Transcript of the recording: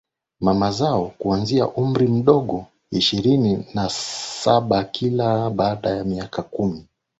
mama zao kuanzia umri mdogo Ishirini na sabaKila baada ya miaka kumi na